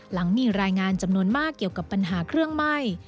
หลังมีรายงานจำนวนมากเกี่ยวกับปัญหาเครื่องไหม้